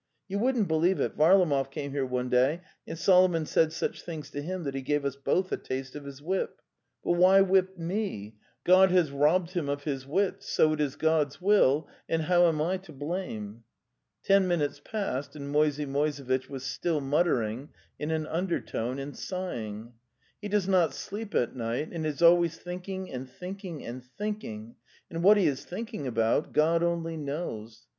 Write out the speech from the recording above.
You wouldn't believe it, Varlamov came here one day and Solomon said such things to him that he gave us both a taste of his whip. ... But why whip me? Was it my fault? God has robbed The Steppe 205 him of his wits, so it is God's will, and how am I to blame?" Ten minutes passed and Moisey Moisevitch was still muttering in an undertone and sighing: 'He does not sleep at night, and is always think ing and thinking and thinking, and what he is think ing about God only knows.